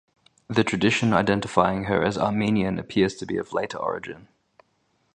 The tradition identifying her as Armenian appears to be of later origin.